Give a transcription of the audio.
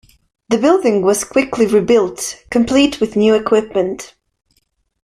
The building was quickly rebuilt, complete with new equipment.